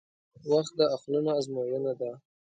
• وخت د عقلونو ازموینه ده.